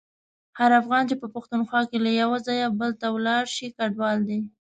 هر افغان چي په پښتونخوا کي له یو ځایه بل ته ولاړشي کډوال دی.